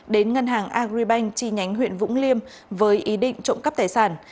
đến ngân hàng agribank chi nhánh huyện vũng liêm với ý định trộm cắp tài sản